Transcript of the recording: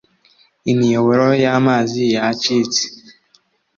imiyoboro yamazi yacitse.